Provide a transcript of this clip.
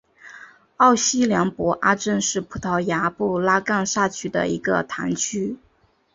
奥西良博阿镇是葡萄牙布拉干萨区的一个堂区。